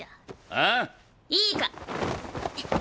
ああっ⁉いいか。